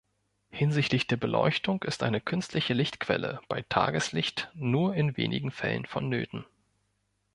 Hinsichtlich der Beleuchtung ist eine künstliche Lichtquelle bei Tageslicht nur in wenigen Fällen vonnöten.